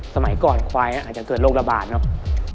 สมัยก่อนควายอาจจะเกิดโรคระบาดเนอะ